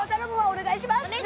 お願いします！